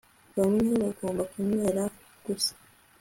bamwe bagomba kunywera gusa